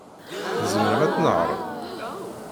Tzemrem ad tnehṛem?